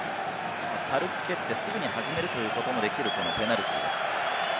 軽く蹴ってすぐに始めることもできるペナルティーです。